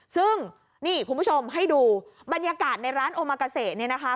ซึ่งนี่คุณผู้ชมให้ดูบรรยากาศในร้านโอมากาเซเนี่ยนะคะ